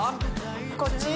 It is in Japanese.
こっち？